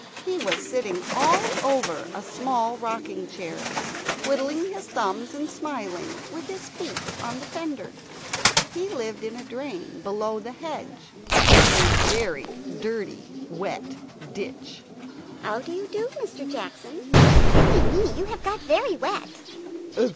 He was sitting all over a small rocking chair, twiddling his thumbs and smiling, with his feet on the fender. He lived in a drain below the hedge, in a very dirty wet ditch. "How do you do, Mr. Jackson? Deary me, you have got very wet!"